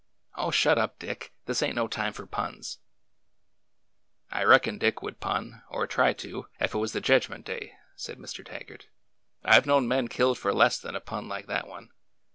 Oh, shut up, Dick ! This ain't no time for puns." I reckon Dick would pun— or try to— ef it was the jedgment day," said Mr. Taggart. I 've known men killed for less than a pun like that one.